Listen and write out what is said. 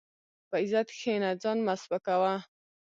په عزت کښېنه، ځان مه سپکاوه.